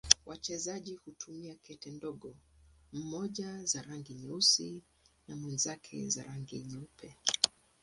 Wachezaji hutumia kete ndogo, mmoja za rangi nyeusi na mwenzake za rangi nyeupe.